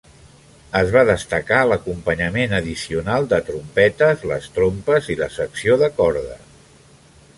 Es va destacar l'acompanyament addicional de trompetes, les trompes i la secció de corda.